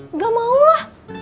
nggak mau lah